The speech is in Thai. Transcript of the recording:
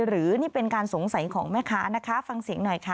หรือนี่เป็นการสงสัยของแม่ค้านะคะฟังเสียงหน่อยค่ะ